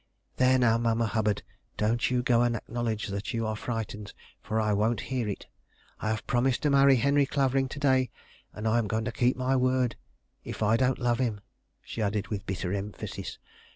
"There, now, Mamma Hubbard, don't you go and acknowledge that you are frightened, for I won't hear it. I have promised to marry Henry Clavering to day, and I am going to keep my word if I don't love him," she added with bitter emphasis.